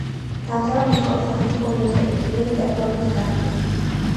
დაამთავრა მოსკოვის სახელმწიფო უნივერსიტეტი ქიმიური ტექნოლოგიის განხრით.